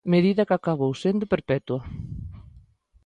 Medida que acabou sendo perpetua.